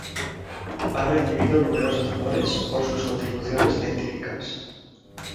Ha recibido numerosos honores por sus contribuciones científicas.